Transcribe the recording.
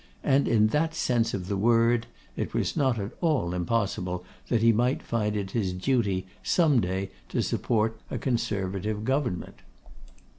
And, in that sense of the word, it was not at all impossible he might find it his duty some day to support a Conservative government.